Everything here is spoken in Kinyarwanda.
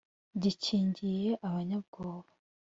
gikingiye abanyabwoba.